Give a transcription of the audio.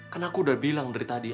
karena aku udah bilang dari tadi